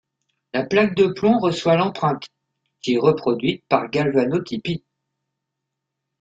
La plaque de plomb reçoit l’empreinte, qui est reproduite par galvanotypie.